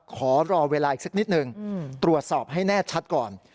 ขอรอเวลาอีกสักนิดนึงตรวจสอบให้แน่ชัดก่อน